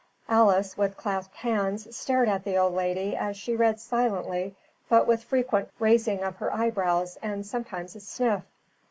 Alice, with clasped hands, stared at the old lady as she read silently but with frequent raising of her eyebrows and sometimes a sniff.